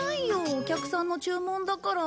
お客さんの注文だから。